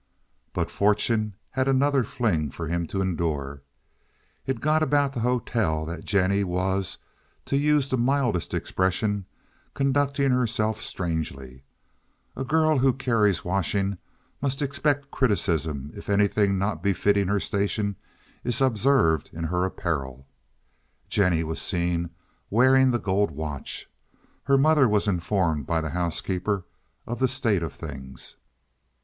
But fortune had another fling for him to endure. It got about the hotel that Jennie was, to use the mildest expression, conducting herself strangely. A girl who carries washing must expect criticism if anything not befitting her station is observed in her apparel. Jennie was seen wearing the gold watch. Her mother was informed by the housekeeper of the state of things.